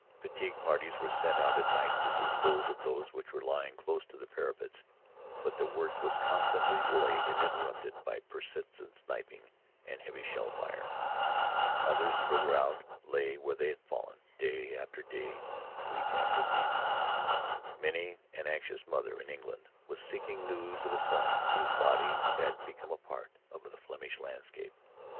Fatigue parties were sent out at night to dispose of those which were lying close to the parapets, but the work was constantly delayed and interrupted by persistent sniping and heavy shell fire. Others farther out lay where they had fallen day after day and week after week. Many an anxious mother in England was seeking news of a son whose body had become a part of that Flemish landscape.